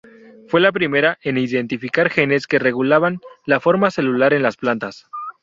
Fue la primera en identificar genes que regulaban la forma celular en las plantas.